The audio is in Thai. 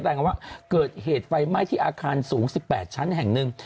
ว่าเกิดเหตุไฟไหม้ที่อาคารสูง๑๘ชั้นแห่งหนึ่ง